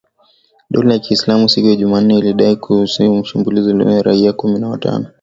Dola ya Kiislamu, siku ya Jumanne, ilidai kuhusika na shambulizi lililoua takribani raia kumi na watano,